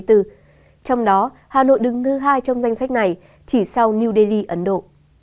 trong đó hà nội đứng thứ hai trong danh sách này chỉ sau new delhi ấn độ